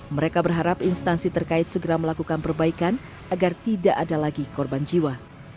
mereka berharap instansi terkait segera melakukan perbaikan agar tidak ada lagi korban jiwa